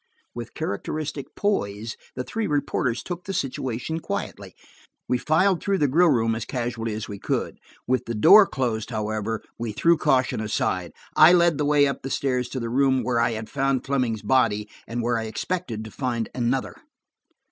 With characteristic poise, the three reporters took the situation quietly. We filed through the grill room as casually as we could; with the door closed, however, we threw caution aside. I led the way up the stairs to the room where I had found Fleming's body, and where I expected to find another.